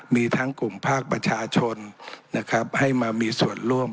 มีทั้งกลุ่มภาคประชาชนนะครับให้มามีส่วนร่วม